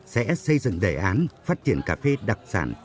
sẽ xây dựng đề án phát triển cà phê đặc sản